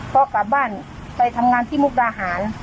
ก็กลับบ้านไปทำงานที่มุกดาหาร